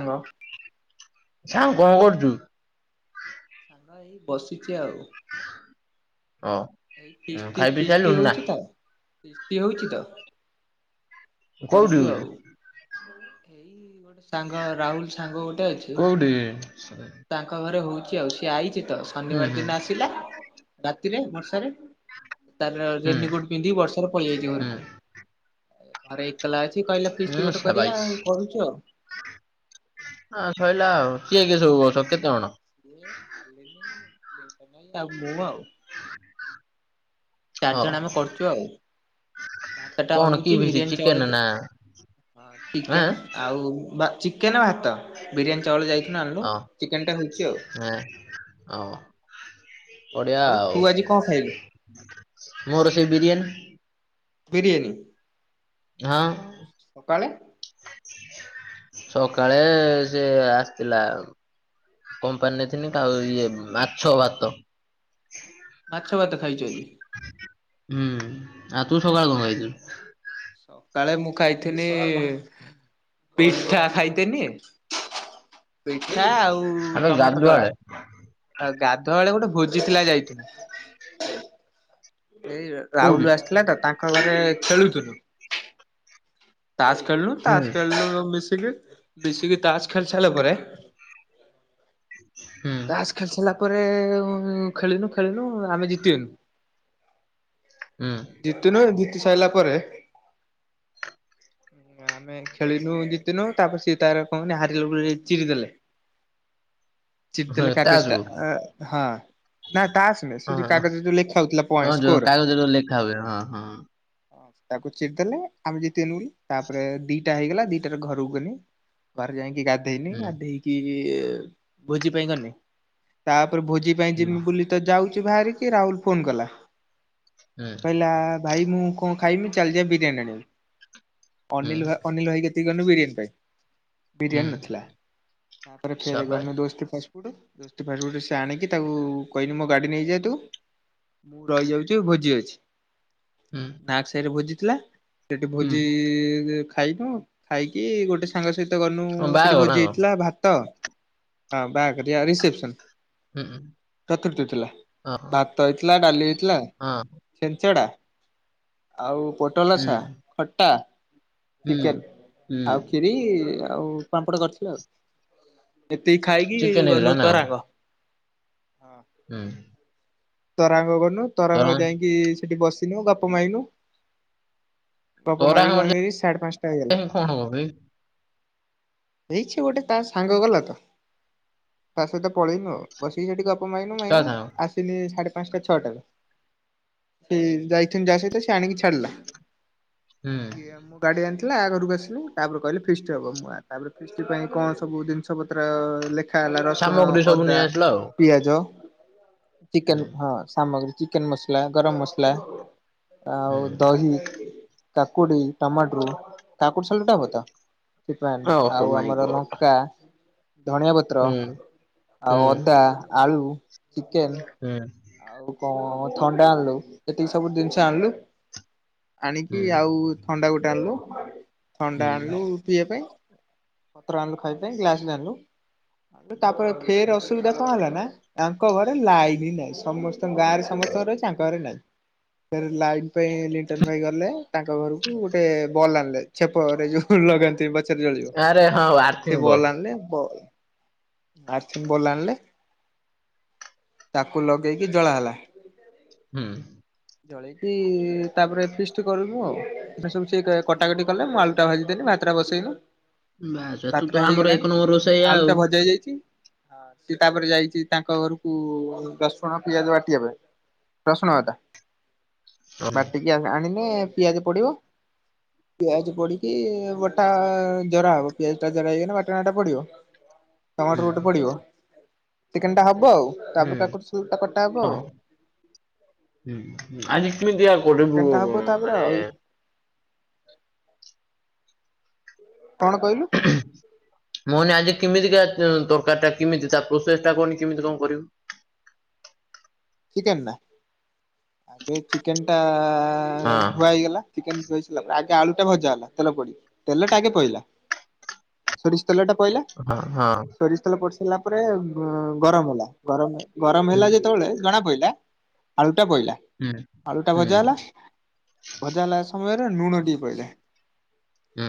ଆଉ। ଛା କଣ କରୁଛୁ? ସାଙ୍ଗ ଏଇ ବସିଛି ଆଉ। ହଁ। ଏଇ ଫିଷ୍ଟି ଖାଇ ପିଇ ଫିଷ୍ଟି ସାରିଲୁଣି ନା ହଉଛି ତ? ଫିଷ୍ଟି ହଉଛି ତ କୋଉଠି କହିଛୁ ଆଉ। ଏଇ ଗୋଟେ ସାଙ୍ଗ ରାହୁଲୁ ସାଙ୍ଗ ଗୋଟେ ଅଛି। କୋଉଠି? ହୁଁ ତାଙ୍କ ଘରେ ହଉଛି ଆଉ ସିଏ ଆଇଛି ତ ଶନିବାର ହୁଁ ଦିନ ଆସିଲା ରାତିରେ [unintelligible] ତାର ହୁଁ ରେନିକୋଟ ପିନ୍ଧିକି ବର୍ଷାରେ ପଳିଆଇଚି ହୁଁ ଘରକୁ। ଆରେ ଏକଲା ଅଛି କହିଲା ଫିସ୍ଟି ହୁଁ ଗୋଟେ କରିବା ସାବାଇସ୍ ଆଉ କରୁଛୁ ଆଉ। ହଁ ସଇଲା ଆଉ କିଏ କିଏ ସବୁ କରୁ ସିଏ ଆଉ ମୁଁ ଆଉ। [inaudible] ଚାରି ହଁ ଜଣ ଆମେ କରୁଛୁ ଆଉ। ଭାତ ଟା କଣ କି ହଉଚି ଭିଡି ବିରିୟାନୀ ଚିକେନ ଚାଉଳ ନା ଅ ଆଁ ଚିକେନ ଆଉ ଚିକେନ ଭାତ ବିରିୟାନୀ ଚାଉଳ ଯାଇଥୁନୁ ଆଣିଲୁ ହଁ ଚିକେନ ଟା ହଉଛି ଆଉ। ହଁ ହଉ ବଡିଆ ତୁ ଆଉ। ଆଜି କଣ ଖାଇଲୁ ମୋର ସେଇ ବିରିୟାନୀ ପିରିଏ ଆଁ ସକାଳେ ସକାଳେ ସେି ଆସିଥିଲା। କମ୍ପାନୀ ଥିନି ଖାଉ ଇଏ ମାଛ ଭାତ। ମାଛ ଭାତ ଖାଇଛୁ ଆଜି? ହୁଁ ଆଉ ତୁ ସକାଳୁ କଣ ଖାଇଛୁ? ସକାଳେ ମୁଁ ଖାଇଥିନି? ପିଠା ଖାଇଥିନି ପିଠା ଆଉ ଆବେ ଟମାଟର ଗାଧୁଆଳେ ଦଳା। ଆଉ ଗାଧୁଆ ବେଳେ ଗୋଟେ ଭୋଜି ଥିଲା ଯାଇଥିଲୁ। ଏଇ କୋଉଠି? ରାହୁଲୁ ଆସିଥିଲା ତ ତାଙ୍କ ଘରେ ଖେଳୁଥିଲୁ। ତାସ ଖେଳିଲୁ ହୁଁ ତାସ ଖେଳିଲୁ ମିଶିକି ମିଶିକି ତାସ ଖେଲ ସାରିଲା ପରେ ହୁଁ। ତାସ୍ ଖେଳି ସାରିଲା ପରେ ଖେଳିନୁ ଖେଳିନୁ ଆମେ ଜିତିିଗଲୁ। ହୁଁ। ଜିତିନୁ ଜିତି ସାଇଲା ପରେ ଆମେ ଖେଳିିନୁ ଜିତିିନୁ ତାପରେ ସିଏ ତାର କହୁନି ହାରିଲୁ ବୋଲି ଚିରିଦେଲା। ଚିରିଦେଲୁ କାଗଜଟା ଆ ହଁ ନା ତାସ ସେ ଯୋଉ କାଗଜରେ ଯୋଉ ଲେଖା ହଉଥିଲା ପଏଣ୍ଟ ସ୍କୋର। ତାକୁ ଚିର ଦେଲେ ଆମେ ଜିତିଲୁନି ତାପରେ ଦିଟା ହେଇଗଲା ଦିଟାର ଘରକୁ ଗଲେ ଘରେ ଯାଇକି ଗାଧେଇନି ଗାଧେଇକି କିଏ ଭୋଜି ପାଇଁ ଗନେ ତାପରେ ଭୋଜି ପାଇଁ ଯେମି ବୁଲି ତ ଯାଉଚି ବାହାରିକି ରାହୁଲ ଫୋନ କଲା କହିଲା ଭାଇ ମୁଁ କଣ ଖାଇମି ଚାଲିଯିବା ବିରିୟାନୀ ଆଣିବା। ଅନିଲ ଭା ଅନିଲ ଭାଇ କେତିକି ବିରିୟାନୀ ପାଇଁ। ବିରିୟାନୀ ନଥିଲା ତାପରେ ଫେର ଗଲୁ ଦୋସ୍ତ ତୁ ଦୋସ୍ତି ପାଟିରୁ ଗୋଟେ ସେ ଆଣିକି ତାକୁ କହିଲି ମୋ ଗାଡି ନେଇଯାଏ ତୁ। ମୁଁ ରହିଯାଉଚି ଭୋଜିରେ। ଉଁ। ନାଗ ସାହିରେ ଭୋଜି ଥିଲା ସେଠି ଭୋଜି ଖାଇନୁ ଖାଇକି ଗୋ ସାଙ୍ଗ ସହିତ ଗଲୁ। ସେଠି ଭୋଜି ହେଇଥିଲା ଭାତ, ବାହାଘରିଆ ରିସେପସନ। ଚତୁର୍ଥୀଥିଲା ଭାତ ହେଇଥିଲା ଡାଲି ହେଇଥିଲା। ଛେଞ୍ଚଡ଼ା ଆଉ ପୋଟଲସା ଖଟା - ଚିକେନ, ଆଉ ଖୀରି, ଆଉ ପାମ୍ପଡ଼ କରିଥିଲ ଆଉ। ଏତିକି ଖାଇକି ଗଲୁ ତରାଙ୍ଗ। ହୁଁ। ତରାଙ୍ଗ ଗଲୁ। ତରାଙ୍ଗ ଯାଇକି ସେଠି ବସିନୁ ଗପ ମାଇନୁ। ଗୋପ ମାରୀ ତୋରାଙ୍କର ଗାଉନରି ସା଼େ ପାଞ୍ଚଟା ହେଲ [unintelligible] ଯାଇ କଣ ହବ ବେ? ହେଇଛି ଗୋଟେ ତା ସାଙ୍ଗ ଗଲା ତ! ତା ସହିତ ପଳେଇନୁ ଆଉ। ବସିକି ସେଠି ଗପ ମାଇନୁ କା ମାଇନୁ ସାଙ୍ଗ? ଆସିଲି। ସାଢେ ପାଞ୍ଚଟା ଛଅଟାରୁ। ସେ ଯାଇଛନ୍ତି ଯାହା ସହିତ ସେ ଆଣିକି ଛାଡିଲା। ହୁଁ, ଏଇ ମୁ [inaudible] ଗାଡ଼ି ଆଣିଥିଲା ଆ ଘରକୁ ଆସିଲି। ତାପରେ କହିଲି ଫିସ୍ଟି ହେବ ମୁଁ ତାପରେ ଫିସ୍ଟି ପାଇଁ କଣ ସବୁ ଜିନିଷପତ୍ର ଲେଖି- ଖାଇଲା ରସୁଣ ସାମଗ୍ରୀ ସବୁ ଅଦା ନେଇ ଆସିଲ ଆଉ। - ପିଆଜ ହୁଁ, ଚିକେନ ହଁ ସାମଗ୍ରୀ ଚିକେନ, ମସଲା ଗରମ ମସଲା- ଆଉ ହୁଁ, ଦହି, କାକୁଡି, ଟମାଟର, କାକୁଡି ସାଲ ଟା ହବ ତ। ସେଥିପାଇଁ ଓହୋ ଆଉ ମାଇଁ ଆମର ଗଡ୍! ଲଙ୍କା ଧଣିଆ ପତ୍ର - ହୁଁ, ପତ୍ର, ଆଉ ହୁଁ, ଅଦା, ଆଳୁ ଚିକେନ - ହୁଁ। ଆଉ କଣ ଥଣ୍ଡା ଆଣିଲୁ। ଏତିକି ସବୁ ଜିନିଷ ଆଣିଲୁ। ଆଣିକି ହୁଁ, ଆଉ ଥଣ୍ଡା ଗୋଟେ ଆଣିଲୁ। ଥଣ୍ଡା ହୁଁ, ଆଣିଲୁ - ପିଇବା ପାଇଁ ପତ୍ର ଆଣିଲୁ ଖାଇବା ପାଇଁ ଗ୍ଲାସ ଆଣିଲୁ। ତାପରେ ଫେର ଅସୁବିଧା କଣ ହେଲା ନା ତାଙ୍କ ଘରେ ଲାଇନ ହିଁ ନାଇ - ସମସ୍ତଙ୍କ ଗାଁରେ ସମସ୍ତଙ୍କର ସାଙ୍କ ଘରେ ନାହିଁ। ସେ ଲାଇନ୍ ପାଇଁ ଲିଟନ ଭାଇ ଗଲେ। ତାଙ୍କ ଘରକୁ ଗୋଟେ ବଲ୍ ଆଣିଲେ ଛେପରେ ଯୋଉ ଲଗାନ୍ତି। ଚଳିବ ଆରେ ହଁ ଆର୍ଥିଂ ସେ ବଲ୍ ଆଣିଲେ ବ ଆସିନ୍ ବୋଲା ଆଣିଲେ ତାକୁ ଲଗେଇକି ଜଳା ହେଲା। ହୁଁ ଜଳେଇକି ତାପରେ ଫିଷ୍ଟ କରିବୁ ଆଉ। ଏ ସବୁ ସେ କଟାକଟି କଲେ ମୁ ଆଳୁଟାଭାଜି ଦେଲିି ଭାତଟା ବସେଇନି। ବାସ୍ ତୁ ଭାତଟା ତ ଆମର ଏକ ହେଇଗଲାଣି ନମ୍ବର ରୋଷେଇଆ ଆଳୁ ଆଉ। ତ ଭଜା ହେଇଯାଇଛି। ହଁ ସିଏ ତାପରେ ଯାଇଛି ତାଙ୍କ ଘରକୁ ରସୁଣ ପିଆଜ ବାଟିବା ପାଇଁ। ପ୍ରଶ୍ନତା [unintelligible] ହୁଁ ବାଟିକି ଆଣିନେ ପିଆଜ ପଡିବ। ପିଆଜ ପଡିକି ବଟା ଜରା ହବ ପିଆଜ ଟା ଜରା ହେଇକ ବାଟଣା ଟା ପଡିବ। [inaudible] ହୁଁ ଟମାଟୋ ଗୋଟେ ପଡିବ ଚିକେନ ଟା ହବ ଆଉ ହୁଁ ତାପରେ କାକୁ ଟା କଟା ହବ ଆଉ। ହଁ ଆଜି କିମେ ଦିଆ [unintelligible] ଚିକେନ ଟା ହବ ତାପରେ ଆଉ। କଣ କହିଲୁ? ମୁଁ ଆଜି କେମିତିକା ତରକାରୀ ଟା କେମିତି ତା ପ୍ରୋସେସ ଟା କନି କେମିତି କଣ କରିବୁ? ଚିକେନ ନା, ଆଗ ଚିକେନ ଟା ଧୁଆ ହଁ ହେଇଗଲା। ଚିକେନ କହିସିଲା ପରେ ଆଗେ ଆଳୁ ଟା ଭଜା ହେଲା ତେଲ ପଡି ତେଲଟା ଆଗେ ପଡିଲା। ସୋରିଷ ତେଲ ଟା ପିଲଲା। ହଁ ହଁ ସୋରି ତେଲ ପଡି ସାରିଲା ପରେ ଗରମ ହେଲା। ଗରମ ଗରମ ହୁଁ ହେଲା ଯେତେବେଳେ- ଜଣା ପୋଇଲା ଆଳୁ ଟା ବୋଇଲା। ହୁଁ ଆଳୁ ଟା ହୁଁ ଭଜା ହେଲା। ଭଜା ଲାଗା ସମୟରେ ଲୁଣ ଟଏ ପଡିଲା ହୁଁ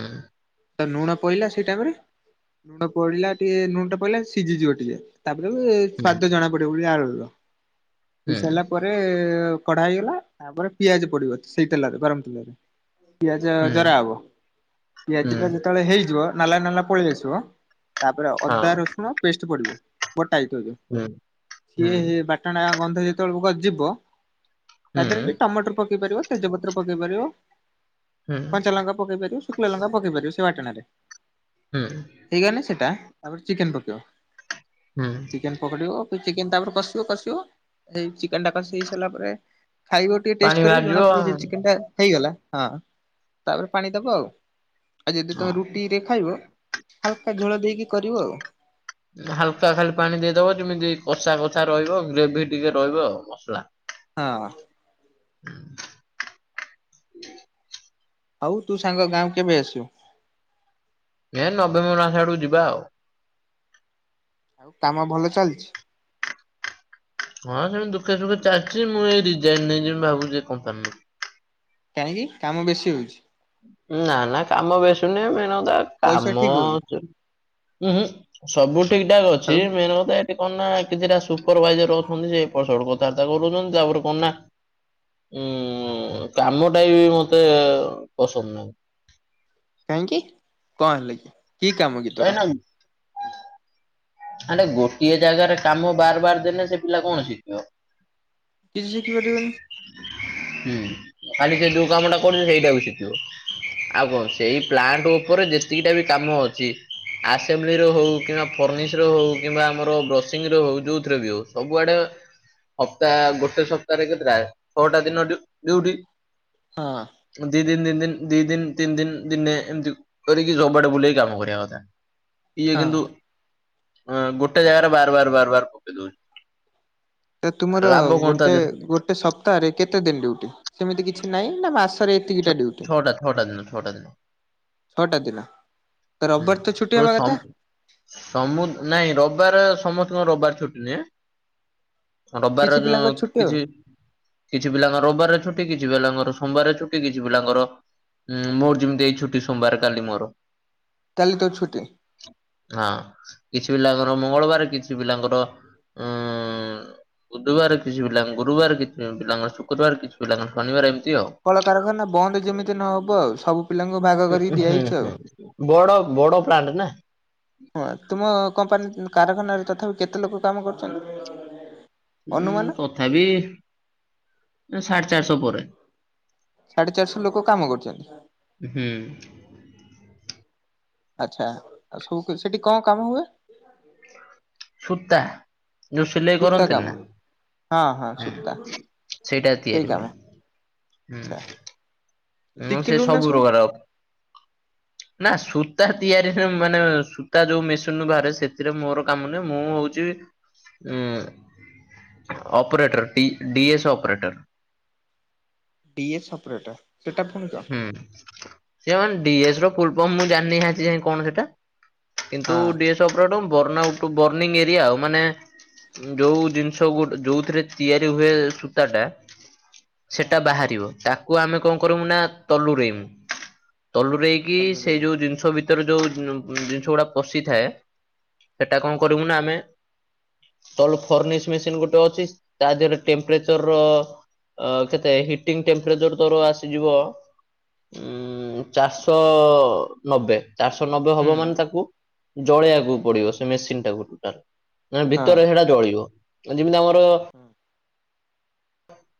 ତା ଲୁଣ ପଇଲା ସେଇ ଟାଇମ ରେ। ପଡିଲା ଟିକେ ଲୁଣ ଟା ପଡିଲା ସିଝିଯିବ ଟିକେ ତାପରେ ବି ହୁଁ ସ୍ଵାଦ ଜଣା ପଡିବ ବୋଲି ଆ ହୁଁ ସିଝିସାରିଲା ପରେ କଢା ହେଇଗଲା ତାପରେ ପିଆଜ ପଡିବ ସେଇ ତେଲରେ ଗରମ ତେଲରେ। ପିଆଜ ହୁଁ ଜରା ହବ ପିଆଜ ହୁଁ ଟା ଯେତେବେଳେ ହେଇଯିବ ନାଲା ନାଲା ପଳେଇ ଆସିବ ତାପରେ ଅଦା ହଁ ରସୁଣ ପେଷ୍ଟ ପଡ଼ିବ। ବଟା ହେଇଥିବ ଯୋଉ। ହୁଁ ହୁଁ ସିଏ ହେ ବାଟଣ ଗନ୍ଧ ଯେତେବେଳକୁ ଯିବ ତା ଦେହରେ ବି ଟମାଟର ପକେଇ ପାରିବ ତେଜପତ୍ର ପକେଇ ପାରିବ ହୁଁ ହୁଁ କଞ୍ଚାଲଙ୍କା ପକେଇ ପାରିବ। ଶୁଖିଲା ଲଙ୍କା ପକେଇପାରିବ ସେ ବାଟଣରେ ହୁଁ। ହେଇଗନେ ସେଟା ତାପରେ ଚିକେନ ପକେଇବ। ହୁଁ ଚିକେନ ପଡିବ କୁ ଚିକେନ ତାପରେ କଷିବ କଷିବ ହେଇ ଚିକେନ ଟା କଷି ହେଇ ସାରିଲା ପରେ ଖାଇବ ଟିକେ ପାଣି ଟେଷ୍ଟ କରିବୁ ବାହାରିଯିବ ଜଣାପଡିବ ଯେ ଚିକେନ ହଁ। ଟା ହେଇଗଲା ହଁ ତାପରେ ପାଣି ଦବ ଆଉ। ଆଉ ଯଦି ତମେ ରୁଟିରେ ଖାଇବ ହାଲକା ଝୋଳ ଦେଇକି କରିବ ଆଉ। ହାଲକା ଖାଲି ପାଣି ଦେଇଦବ ଯେମିତି କଷା କଷା ରହିବ ଗ୍ରେଭି ଟିକେ ରହିବ ଆ ମସଲା। ହଁ। [inaudible] ହଉ ତୁ ସାଙ୍ଗ ଗାଁକୁ କେବେ ଆସିବୁ? ଏ ନଭେମ୍ବର ମାସ ଆଡକୁ ଯିବା ଆଉ। କାମ ଭଲ ଚାଲିଛି? ହଁ ସେମିତି ଦୁଖେ ସୁଖେ ଚାଲିଛି ମୁଁ ଏଇ ରିଜାଇନ ନେଇଯିବି ଭାବୁଛି ଏ କମ୍ପାନୀରୁୁ। କାହିଁକି କାମ ବେଶୀ ହଉଛି? ନା ନା କାମ ବେସି ନୁହଁ ମେନ୍ କଥା ଆଉ ପଇସା କାମ ଠିକ ହଉନି ଉୁଁ ହୁଁ ସବୁ ଠିକ ଠାକ୍ ଅଛି। ଆଉ ମେନ କଥା ଏ ସେ କଣ ନା କିଛିଟା ସୁପରଭାଇଜର ଅଛନ୍ତି ସେ ଏପଟ ସେପଟ କଥାବାର୍ତ୍ତା କରୁଛନ୍ତି ତାପରେ କଣ ନା ଉଁ କାମ ଟା ବି ମତେ ପସନ୍ଦ ନାହିଁ। କାହିଁକି କଣ ହେଲା କି କି କାମ କି ତୋର? କାହିଁକି ନା ଆରେ ଗୋଟିଏ ଜାଗାରେ କାମ ବାର ବାର ଦେଲେ ସେ ପିଲା କଣ ଶିଖିବ? କିଛି ସିଖିପରିବନିଁ। ହୁଁ ଖାଲି ସେ ଯୋଉ କାମ ଟା କରୁଛି ସେଇଟା ବି ଶିଖିବ ଆଉ କଣ ସେଇ ପ୍ଲାଣ୍ଟ ମୋର ଯେତିକିଟା ବି କାମ ଅଛି ଆସେମ୍ବଲି ର ହଉ କିମ୍ବା ଫରନିସ୍ ଥିରେ ହଉ କିମ୍ବା ଆମର ବ୍ରସିଂ ର ହୋଉ ଯୋଉଥିରେ ବି ହଉ ସବୁ ଆଡେ ସପ୍ତାହ ଗୋଟେ ସପ୍ତାହ ରେ କେତେଟା ଛଅଟା ଦିନ ଡିଉ ଡିଉଟି ହଁ। ଦି ଦିନ ତିନି ଦିନ ଦି ଦିନ ତିନି ଦିନ ଦିନେ ଏମତି କରିକି ସବୁଆଡେ ବୁଲେଇକି କାମ କରିବା କଥା। ଇଏ ହଁ କିନ୍ତୁ ଅ ଗୋଟେ ଜାଗାରେ ବାର ବାର ବାର ବାର ପକେଇ ଦଉଛି। ତ ତୁମର ଲାଭ କଣ ତା ଗୋଟେ ଦେହରେ ଗୋଟେ ସପ୍ତାହରେ କେତେ ଦିନ ଡୁଟି? ସେମିତି କିଛି ନାହିଁ ନା ମାସରେ ଛ ଏତିକିଟା ଡ୍ୟୁଟି ଛଟା ଛଟା ଦିନ ଛଟା ଦିନ। ଛଅଟା ଦିନ ତ ରବିବାର ତ ଛୁଟି ହବା ହୁଁ କଥା। କେବ ସମୁ ନାଇଁ ରବିବାର ସମସ୍ତଙ୍କର ରବିବାର ଛୁଟିନୁହେଁ। ରବିବାର କିଛି ପିଲାଙ୍କର ଛୁଟି ଆଉ କିଛି କିଛି ପିଲାଙ୍କର ରବିବାର ଛୁଟି କିଛି ପିଲାଙ୍କର ସୋମବାର ଛୁ କିଛି ପିଲାଙ୍କରଁ ମୋର ଯେମିତି ଏଇ ଛୁଟି ସୋମବାର କାଲି ମୋର। ତାହେଲେ ତୋର ଛୁଟି। ହଁ କିଛି ପିଲାଙ୍କର ମଙ୍ଗଳବାର କିଛି ପିଲାଙ୍କର ଆଁ। ବୁଧବାର କିଛି ପିଲାଙ୍କ ଗୁରୁବାର କିଛି ପିଲାଙ୍କ ଶୁକ୍ରବାର କିଛି ପିଲାଙ୍କ ଶନିବାର ଏମିତି ଆଉ। କଳକାରଖାନା ବନ୍ଦ ଯେମିତି ନହବ ଆଉ ସବୁ ପିଲାଙ୍କ ଭାଗ କରିକି ଉଁ ହୁଁ ଦିଆହେଇଛି ଆଉ। ହଁ ବଡ ବଡ ପ୍ଲାଣ୍ଟ ନା ହଁ ତୁମ କମ୍ପାନୀ କାରଖାନାରେ ତଥାପି କେତେ ଲୋକ କାମ କରୁଛନ୍ତି? [inaudible] ଅନୁମାନ? ଉଁ ତଥାବି ସାଢେ ଚାରିଶହ ପରେ। ସାଢେ ଚାରିଶହ ଲୋକୋ କାମ କରୁଚନ୍ତି। ଉଁହୁଁ। ଆଚ୍ଛା ଆଉ ସବୁ କି ସେଠି କଁ କାମ ହୁଏ। [inaudible] ସୂତା ଯୋଉ ସିଲେଇ ସୂତା କରନ୍ତିନି କାମ ନା ହଁ ହଁ ହୁଁ ସୂତା ସେଇଡ଼ା ସେଇ ତିଆରି କାମ ହୁଏ। ଆଚ୍ଛା। ହୁଁ ହୁଁ ସେ ଶିଖିଲୁ ନା ସବୁ ପ୍ରକାର। ନା ସୂତା ତିଆରିରେ ମାନେ ସୂତା ଯୋଉ ମେସିନୁ ବାହାରେ ସେଥିରେ ମୋରୋ କାମ ନୁହେଁ ମୁଁ ହୋଉଚି ଚିରେ ଉଁ ଅପରେଟର ଟି D S operator. D S operator ସେଟା ଫୁଣି କଁ? ହୁଁ ସିଏ ମାନେ ଡି ଏସ ର ଫୁଲ୍ ଫମ୍ ମୁଁ ଜାଣିନି ଆଜିଯାଏ କଣ ସେଟା। କିନ୍ତୁ ହଁ ଡ଼ି ଏସ ଅପରେଟର ବର୍ଣ୍ଣ ଉପ ବର୍ଣୀଙ୍ଗ ଏରିଆ ଆଉ ମାନେ ଉଁ ଯୋଉ ଜିନିଷ ଗୋଟ୍ ଯୋଉଥିରେ ତିଆରି ହୁଏ ସୂତା ଟା। ସେଟା ହଁ ବାହାରିବ ତାକୁ ଆମେ କଁ କରିମୁନା ତଲୁରେଇମୁ। ତଲୁରେଇକି ଚାଲୁ ରହିବ ସେଇ ଯୋଉ ଜିନିଷ ଭିତରୁ ଯୋଉ ଜିନିଷ ଗୁଡା ପଶିଥାଏ। ହେଟା କଁ ହୁଁ କରିବୁ ନା ଆମେ ତଲ ଫର୍ନିଶ୍ ମେସିନ୍ ଗୋଟେ ଅଛି ତା ଦେହେରେ ଟେମ୍ପ୍ରେଚରର ଅଁ କେତେ ହିଟିଙ୍ଗି ଟେମ୍ପ୍ରେଚର ତୋରୋ ଆସିଯିବ। ଉଁ ଚାରଶହ ନବେ ଚାରିଶହ ନବେ ହବ ହୁଁ ମାନେ ତାକୁ ଜଳେଇବାକୁ ପଡିବ ସେ ମେସିନ ଟାକୁ ଟୁଟାଲ ମାନେ ଭିତରେ ସେଟା ଜଳିବ ଯେମିତି ଆମର ହଁ।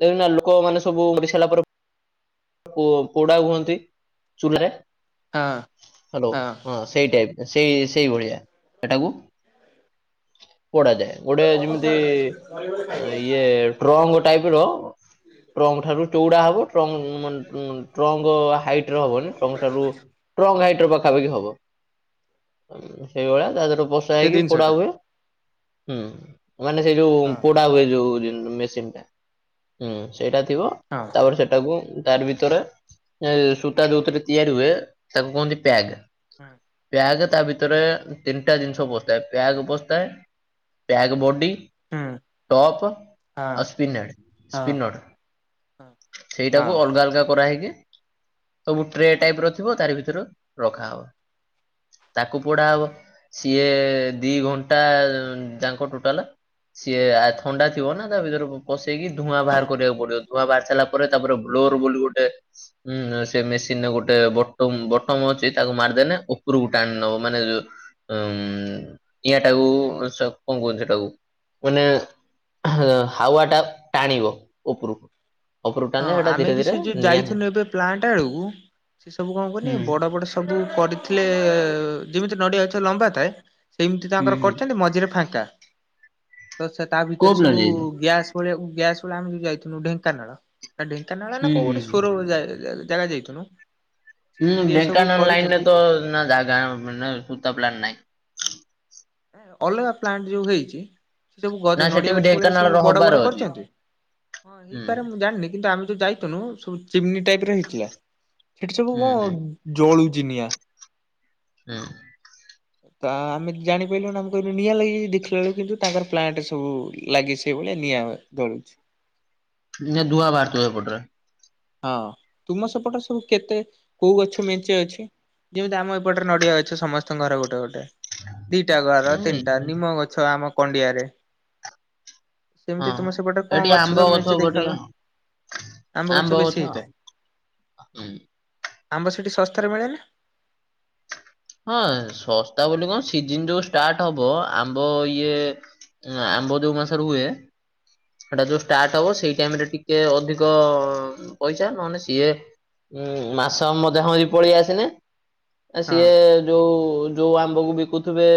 ଦେଖିନା ଲୁକ ମାନେ ସବୁ। [unintelligible] କୋଡ଼ା ହୁଅନ୍ତି ଚୁଲାରେ ହଁ ହାଲୋ ହଁ ସେଇ ଟାଇପ୍ ସେଇ ସେଇଭଳିଆ ସେଟାକୁ ପୋଡାଯାଏ। ଗୋଟେ ଯିମିତି ଇଏ ଟ୍ରଙ୍କ ଟାଇପର ଟ୍ରଙ୍କ ଠାରୁ ଚୋଉଡ଼ା ହବ ଟ୍ରଙ୍କ। [unintelligible] ଙ୍ଗ ହାଇଟ୍ ର ହବନି ଟ୍ରଙ୍କ ଠାରୁ ଟ୍ରଙ୍କ ହାଇଟ୍ ର ପାଖାପାଖି ହବ ଆମ୍ ସେଇଭଳିଆ ତା ଦେହରେ ବଷା ସେ ହେଇକି ପୋଡା ଜିନିଷଟା ହୁଏ। ହୁଁ ମାନେ ସେଇ ଯୋଉ ହଁ ପୋଡା ହୁଏ ଯୋଉ ଜିନ୍ ମେସିନ ଟା ହୁଁ ସେଇଟା ଥିବ। ହଁ। ତାପରେ ସେଟାକୁ ତାର ଭିତରେ ଏଁ ସୂତା ଯୋଉଥିରେ ତିଆରି ହୁଏ। ତାକୁ କୁହନ୍ତି ପ୍ୟାଗ। ହୁଁ। ପ୍ୟାଗ ତା ଭିତରେ ତିନିଟା ଜିନିଷ ପସିଥାଏ। ପ୍ୟାଗ ପସିଥାଏ। ପ୍ୟାଗ୍ ବଡ଼ି। ହୁଁ ଟପ୍ ହଁ ଆଉ ସ୍ପିନେଡ଼ ହଁ ସ୍ପିନଡ଼। ହଁ ହଁ। ସେଇଡ଼ାକୁ ଅଲଗା ଅଲଗା କରାହେଇକି। ସବୁ ଟ୍ରେ ଟାଇପ୍ ର ଥିବ ତାର ଭିତର ରଖାହବ। ତାକୁ ପୋଡ଼ା ହବ ସିଏ ଦି ଘଣ୍ଟା ଯାଙ୍କ ଟୋଟାଲ ସିଏ ଆଁ ଥଣ୍ଡା ଥିବ ନା ତା ଭିତରୁକୁ ପସେଇକି ଧୂଆଁ ବାହାର କରିବାକୁ ପଡିବ ଧୂଆଁ ବାହାରି ସରିଲା। ପରେ ତାପରେ ବ୍ଲୋର୍ ବୋଲି ଗୋଟେ। [inaudible] ଉଁଅଁ ସେ ମେସିନରେ ଗୋଟେ ବଟମ୍ ବଟମ୍ ଅଛି ତାକୁ ମାରିଦେନେ ଉପୁରୁକୁ ଟାଣି ନବ ମାନେ ଅଁମ୍ ଉଁ ନିଆଁ ଟାକୁ ସ କଁ କୁହନ୍ତୁ ସେଟାକୁ ମାନେ ହେ ହାୱା ଟା ଟାଣିବ ଉପୁରୁକୁ ଉପୋରୁକୁ ହଁ ଟାଣିଲେ ହେଟା ଆମେ ଧୀରେ ବି ସେ ଧୀରେ ଯୋଉ ନିଆଁ ଯାଇଥିଲୁ ଏବେ ପ୍ଲାଣ୍ଟ [unintelligible] ସେ ସବୁ କଁ କୁହନି ହୁଁ ବଡ ବଡ଼ ସବୁ ପଡିଥିଲେ ଯେମିତି ନଡିଆ ଗଛ ଲମ୍ବା ଥାଏ। ସେମିତି ହୁଁ ତାଙ୍କର ହୁଁ କରିଚନ୍ତି ମଝିରେ ଫାଙ୍କା। ତ ସେ ତା କୋଉ ଭିତରେ ପ୍ଲେନ ସବୁ ଯାଇଛ? ଗ୍ୟାସ୍ ଭଳିଆ ଗ୍ୟାସ ଭଳିଆ ଆମେ ଯୋଉ ଯାଇଥିଲୁ ଢେଙ୍କାନାଳ। ଟା ଢେଙ୍କାନାଳ ନା ହୁଁ କୋଉ ଗୋଟେ ହୁଁ [unintelligible] ଜାଗା ଯାଇଥିନୁ। ହୁଁ ଢେଙ୍କାନାଳ ଲାଇନରେତ ନା ଜାଗା ସୁତା ପ୍ଲାନ ନାହିଁ ଅଲଗା ପ୍ଲାଣ୍ଟ ଯୋଉ ହେଇଛି ସେ ସବୁ ନା ଗ ସେଠି ନଡିଆ ବି ଗଛ ଭଳିଆ ସବୁ ଢେଙ୍କାନାଳର ବଡ ହବାର ବଡ ଅଛି କରିଛନ୍ତି ହଁ ହୁଁ ହେଇପାରେ ମୁଁ ଜାଣିନି କିନ୍ତୁ ଆମ ଯଉ ଯାଇଥିଲୁ ସବୁ ଚିମିନି ଟାଇପର ହେଇଥିଲା ସେଠି ସବୁ ହୁଁ ହୁଁ କଣ ଜଳୁଛି ନିଆଁ ହୁଁ ତ ଆମେ ଜାଣିପାରିଲୁଣି ଆମେ କହିଲୁ ନିଆଁ ଲାଗି ଦେଖିଲା ବଳୁ କିନ୍ତୁ ତାଙ୍କର ପ୍ଲାଣ୍ଟ ସବୁ ଲାଗେ ସେଇ ଭଳିଆ ନିଆଁ - ଜଳୁଛି ନା ଧୂଆଁ ବାହାରୁଥିବ ଏପଟରେ ହଁ ତୁମ ସେପଟ ସବୁ କେତେ କୋଉ ଗଛ ମେଞ୍ଚେ ଅଛି ଯେମିତି ଆମ ଏପଟରେ ନଡିଆ ଅଛ ସମସ୍ତଙ୍କ ଘର ଗୋଟେ ଗୋଟେ ଦିଟା ଘର ହୁଁ ତିନିଟା ନିମ ଗଛ ଆମ କଣ୍ଡିଆରେ ହଁ ସେମିତି ତୁମ ସେପଟେ ଏଠି କଣ ଗଛ ଆମ୍ବ ସବୁ ମେଞ୍ଚେ ଟିକେ ଦେଖାଯାଏ ଆମ୍ବ ଆମ୍ୱ - ଗଛ ବେଶି ହେଇଥାଏ ହୁଁ। ଆମ୍ବ ସେଠି ଶସ୍ତାରେ ମିଳେ ହଁ ଶସ୍ତା ବୋଲି କଣ ସିଜିନ ଯୋଉ ଷ୍ଟାର୍ଟ ହବ ଆମ୍ବ ଇଏ ନା ଆମ୍ବ ଯୋଉ ମାସରେ ହୁଏ ସେଟା ଯୋ ଷ୍ଟାର୍ଟ ହବ ସେଇ ଟାଇମ ରେ ଟିକେ ଅଧିକ ପଇସା ନହେଲେ ସିଏ- ଉୁଁ ମାସ ମ ଦେହ ବି ପଳେଇ ଆସିନେ ହଁ। ଇଏ ଯୋଉ ଯୋଉ ଆମ୍ବକୁ ବିକୁଥିବେ